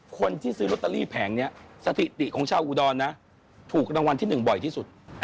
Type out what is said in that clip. คนที่ซื้อลอตเตอรี่แผงนี้สถิติของชาวอุดรนะถูกรางวัลที่๑บ่อยที่สุด